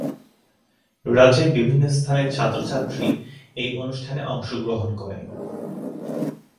রাজ্যের বিভিন্ন স্থানের ছাত্র-ছাত্রী এই অনুষ্ঠানে অংশগ্রহণ করে।